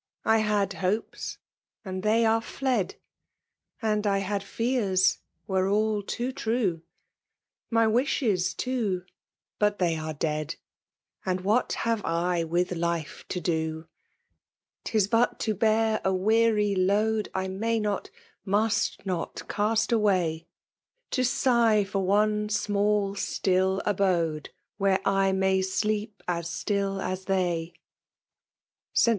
I had hopes, and they are fled ; And I had fean, wete all too tine ; My wiahesj too, — ^but they are dead — And what have I with life to do ? Tb but to bear a weary load I may not, must not cast away; — To sigh for one small still abode Wfaeve I may alcep aa stiU as they. St.